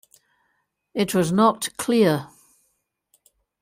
It was not clear.